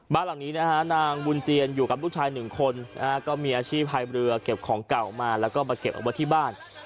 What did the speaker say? บ้านหลังนี้นะฮะนางบุญเจียนอยู่กับลูกชายหนึ่งคนก็มีอาชีพพายเรือเก็บของเก่ามาแล้วก็มาเก็บเอาไว้ที่บ้าน